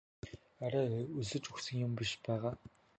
Арай өлсөж үхсэн юм биш байгаа?